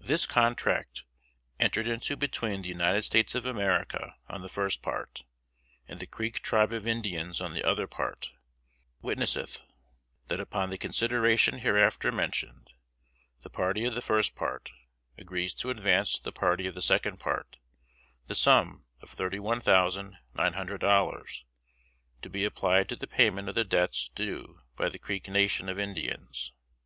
This contract, entered into between the United States of America on the first part, and the Creek tribe of Indians on the other part, Witnesseth: That upon the consideration hereafter mentioned, the party of the first part agrees to advance to the party of the second part the sum of thirty one thousand nine hundred dollars, to be applied to the payment of the debts due by the Creek Nation of Indians.